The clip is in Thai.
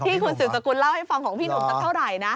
แต่มันโยงกันได้จริงคุณสื่อสกุลเล่าให้ฟังของพี่หนุ่มสักเท่าไรนะ